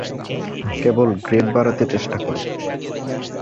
কেবল grade বাড়াতে চেষ্টা করো।